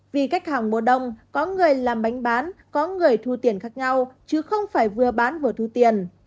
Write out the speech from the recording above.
vì khách hàng mùa đông có người làm bánh bán có người thu tiền khác nhau chứ không phải vừa bán vừa thu tiền